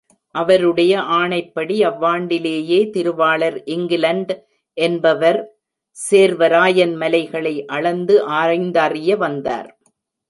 அவருடைய ஆணைப்படி அவ்வாண்டிலேயே திருவாளர் இங்கிலண்ட் என்பவர் சேர்வராயன் மலைகளை அளந்து ஆய்ந்தறிய வந்தார்.